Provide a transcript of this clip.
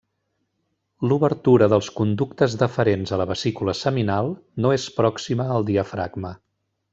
L'obertura dels conductes deferents a la vesícula seminal no és pròxima al diafragma.